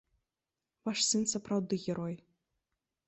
Ваш сын сапраўды герой.